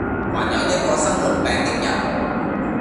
還有一個生癆病的人，